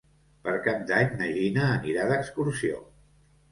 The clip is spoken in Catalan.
Per Cap d'Any na Gina anirà d'excursió.